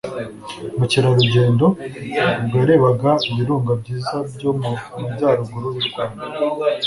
mukerarugendo! ubwo yarebaga ibirunga byiza byo mu majyaruguru y’u rwanda